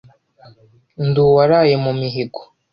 ndi uwaraye mu mihigo